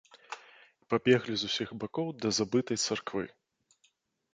І пабеглі з усіх бакоў да забытай царквы.